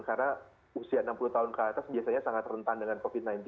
karena usia enam puluh tahun ke atas biasanya sangat rentan dengan covid sembilan belas